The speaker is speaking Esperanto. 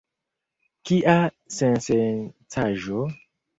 Kia sensencaĵo?